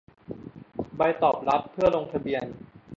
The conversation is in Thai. ใบตอบรับเพื่อลงทะเบียน